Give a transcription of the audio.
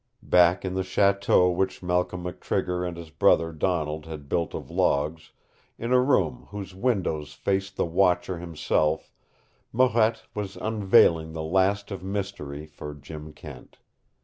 Back in the chateau which Malcolm McTrigger and his brother Donald had built of logs, in a room whose windows faced the Watcher himself, Marette was unveiling the last of mystery for Jim Kent.